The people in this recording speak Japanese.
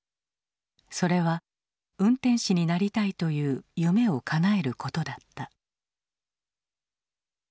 それは運転士になりたいという夢をかなえることだった。